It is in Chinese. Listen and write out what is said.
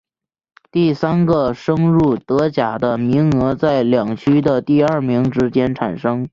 第三个升入德甲的名额在两区的第二名之间产生。